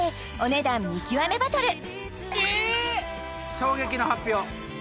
衝撃の発表